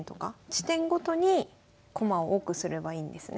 地点ごとに駒を多くすればいいんですね？